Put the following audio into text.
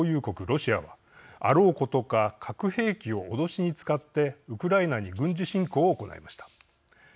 ロシアはあろうことか核兵器を脅しに使ってウクライナに軍事侵攻を行いました。